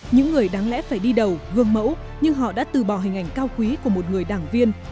những người đáng lẽ phải đi đầu gương mẫu nhưng họ đã từ bỏ hình ảnh cao quý của một người đảng viên